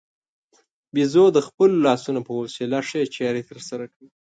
بیزو د خپلو لاسونو په وسیله ښې چارې ترسره کوي.